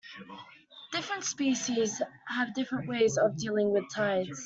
Different species have different ways of dealing with tides.